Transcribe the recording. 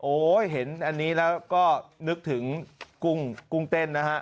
โอ้โหเห็นอันนี้แล้วก็นึกถึงกุ้งเต้นนะฮะ